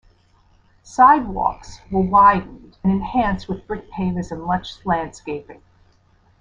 Sidewalks were widened and enhanced with brick pavers and lush landscaping.